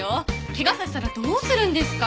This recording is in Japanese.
怪我させたらどうするんですか。